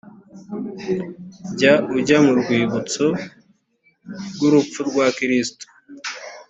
jya ujya mu rwibutso rw urupfu rwa kristo